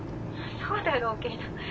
そうだろうけど。